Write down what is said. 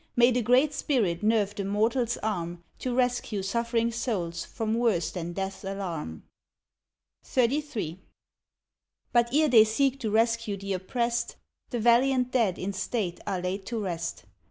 May the Great Spirit nerve the mortal's arm To rescue suffering souls from worse than death's alarm. XXXIV. But ere they seek to rescue the oppressed, The valiant dead, in state, are laid to rest.